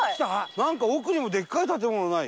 なんか奥にもでっかい建物ない？